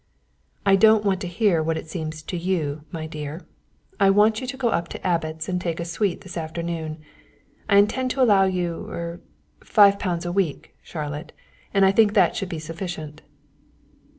"I don't want to hear what it seems to you, my dear, I want you to go up to Abbot's and take a suite this afternoon. I intend to allow you er five pounds a week, Charlotte; I think that should be sufficient."